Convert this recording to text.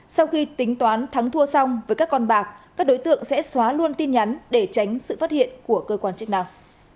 sau khi tính toán thắng thua xong với các con bạc các đối tượng sẽ xóa luôn tin nhắn để tránh sự phát hiện của cơ quan chức năng